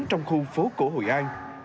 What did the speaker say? trong khu phố cổ hội an